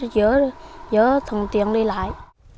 giỡn thông tiện đi lại